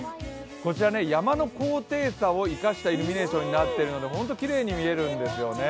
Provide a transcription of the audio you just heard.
こちら山の高低差を生かしたイルミネーションになっているのでホントきれいに見えるんですよね。